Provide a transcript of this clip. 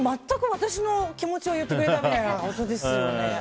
全く私の気持ちを言ってくれたみたいなことですね。